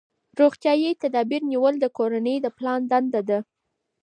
روغتیايي تدابیر نیول د کورنۍ د پلار دنده ده.